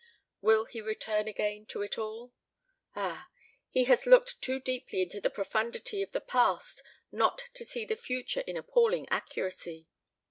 Will he return again to it all? Ah, he has looked too deeply into the profundity of the past not to see the future in appalling accuracy.